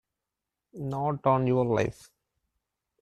Not on your life!